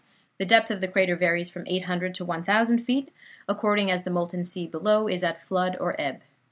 The depth of the crater varies from eight hundred to one thousand feet, according as the molten sea below is at flood or ebb.